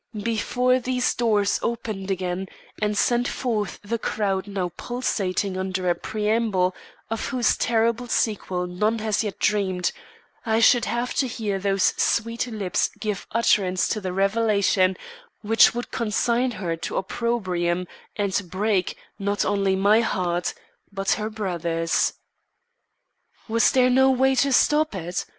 Before these doors opened again and sent forth the crowd now pulsating under a preamble of whose terrible sequel none as yet dreamed, I should have to hear those sweet lips give utterance to the revelation which would consign her to opprobrium, and break, not only my heart, but her brother's. Was there no way to stop it?